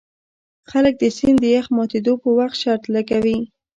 خلک د سیند د یخ ماتیدو په وخت شرط لګوي